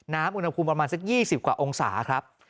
อุณหภูมิประมาณสัก๒๐กว่าองศาครับ